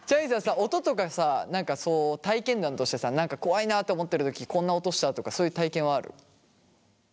何かそう体験談としてさ何か怖いなと思ってる時こんな音したとかそういう体験はある？